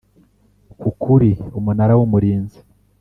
k ukuri Umunara w Umurinzi